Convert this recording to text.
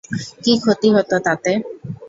কী ক্ষতি হত তাতে?